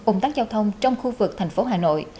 cùng tắt giao thông trong khu vực thành phố hà nội